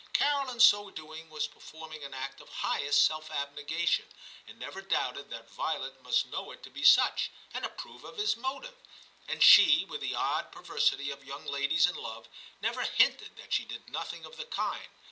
Carol in so doing was performing an act of highest self abnegation, and never doubted that Violet must know it to be such, and approve of his motive. And she, with the odd per versity of young ladies in love, never hinted that she did nothing of the kind.